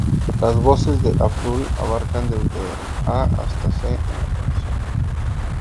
Las voces de Abdul abarcan desde A hasta C en la canción.